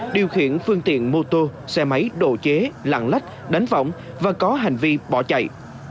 điều khiển phương tiện mô tô xe máy độ chế lặng lách đánh võng và có hành vi bỏ chạy